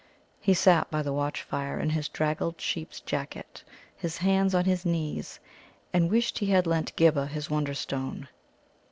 He sat by the watch fire in his draggled sheep's jacket, his hands on his knees, and wished he had lent Ghibba his Wonderstone.